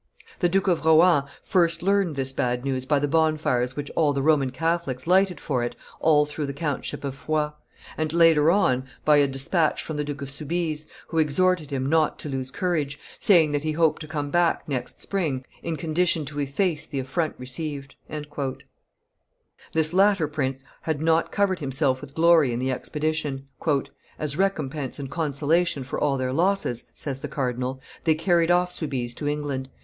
The Duke of Rohan first learned this bad news by the bonfires which all the Roman Catholics lighted for it all through the countship of Foix, and, later on, by a despatch from the Duke of Soubise, who exhorted him not to lose courage, saying that he hoped to come back next spring in condition to efface the affront received." This latter prince had not covered himself with glory in the expedition. "As recompense and consolation for all their losses," says the cardinal, "they carried off Soubise to England.